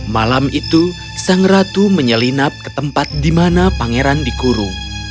malam itu sang ratu menyelinap ke tempat di mana pangeran dikurung